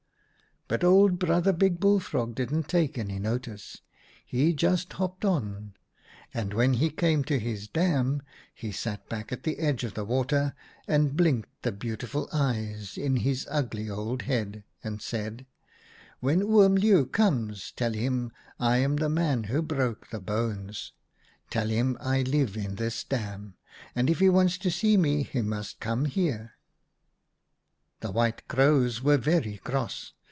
" But old Brother Big Bullfrog didn't take any notice. He just hopped on, and when he came to his dam he sat back at the edge of the water and blinked the beautiful eyes in his ugly old head, and said :' When Oom Leeuw comes tell him I am the man who broke the bones. Tell him I live in this dam, and if he wants to see me he must come here.' THE FLYING LION 113 " The White Crows were very cross.